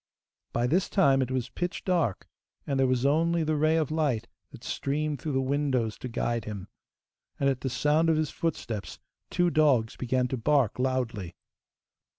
By this time it was pitch dark, and there was only the ray of light that streamed through the windows to guide him, and at the sound of his footsteps two dogs began to bark loudly.